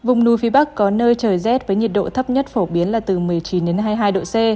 vùng núi phía bắc có nơi trời rét với nhiệt độ thấp nhất phổ biến là từ một mươi chín hai mươi hai độ c